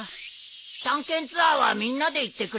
探検ツアーはみんなで行ってくれ。